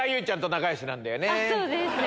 そうですね。